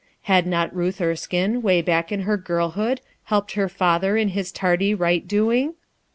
Had not Ruth Erskinc, away back in her girl hood, helped her father in his lardy right doing?